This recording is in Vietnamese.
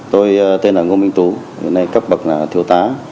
tôi tên là ngô minh tú hiện nay cấp bậc là thiếu tá